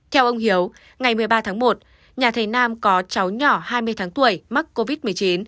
theo ông hiếu ngày một mươi ba tháng một nhà thầy nam có cháu nhỏ hai mươi tháng tuổi mắc covid một mươi chín